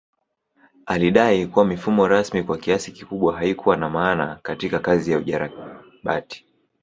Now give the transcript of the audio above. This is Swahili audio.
Alidai kuwa mifumo rasmi kwa kiasi kikubwa haikuwa na maana katika kazi ya ujarabati